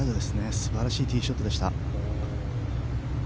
素晴らしいティーショットでした。